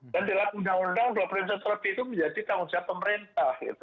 dan dilihat undang undang dua puluh satu hari itu menjadi tanggung jawab pemerintah